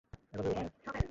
Hello, কাঠবিড়ালী।